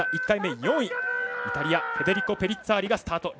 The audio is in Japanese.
１回目、４位、イタリアフェデリコ・ペリッツァーリが登場。